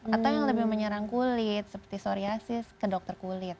atau yang lebih menyerang kulit seperti psoriasis ke dokter kulit